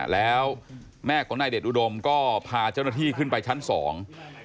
แล้วแม่ของนายเดชอุดมก็พาเจ้าหน้าที่ขึ้นไปชั้นสอง